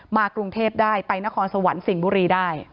กรุงเทพได้ไปนครสวรรค์สิงห์บุรีได้